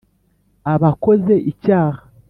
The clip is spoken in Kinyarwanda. aba akoze icyaha.